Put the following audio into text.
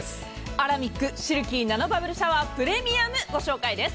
アラミックシルキーナノバブルシャワープレミアムご紹介です。